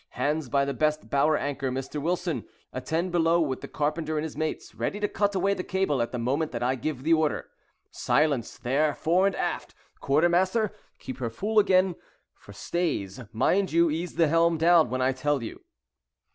Hands by the best bower anchor. Mr. Wilson, attend below with the carpenter and his mates, ready to cut away the cable at the moment that I give the order. Silence there, fore and aft. Quartermaster, keep her full again for stays. Mind you ease the helm down when I tell you."